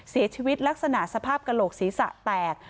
เสียชีวิตลักษณะสภาพกระโหลกศีรษะแตก